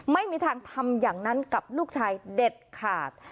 ไม่มีทางทำอย่างนั้นกับลูกชายเด็ดขาด